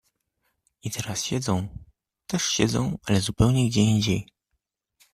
I teraz siedzą. Też siedzą, ale zupełnie gdzie indziej.